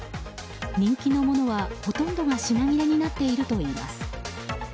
人気のものは、ほとんどが品切れになっているといいます。